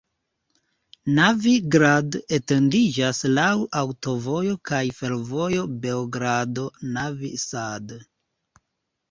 Novi Grad etendiĝas laŭ aŭtovojo kaj fervojo Beogrado-Novi Sad.